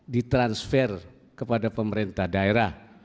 ditransfer kepada pemerintah daerah